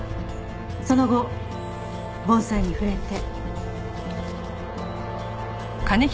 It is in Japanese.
その後盆栽に触れて。